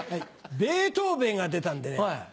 ベートーベンが出たんでね。